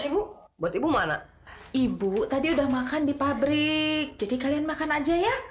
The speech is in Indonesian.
ibu buat ibu mana ibu tadi udah makan di pabrik jadi kalian makan aja ya